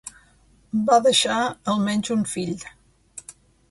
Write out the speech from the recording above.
Va deixar almenys un fill.